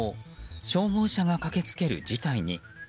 消防車が駆けつける事態に。